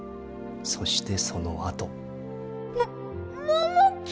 そしてそのあと。